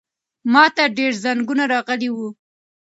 ماته ډېر زنګونه راغلي وو.